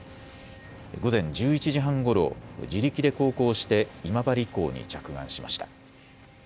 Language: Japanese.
午前１１時半ごろ、自力で航行して今治港に着岸しました。